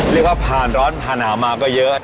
เรียกว่าผ่านร้อนผ่านหนาวมาก็เยอะ